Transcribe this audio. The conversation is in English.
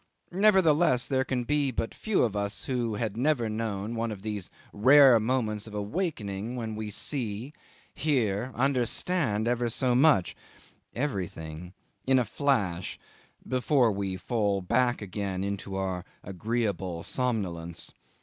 Nevertheless, there can be but few of us who had never known one of these rare moments of awakening when we see, hear, understand ever so much everything in a flash before we fall back again into our agreeable somnolence.